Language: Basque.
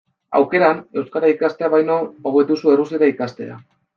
Aukeran, euskara ikastea baino, hobe duzu errusiera ikastea.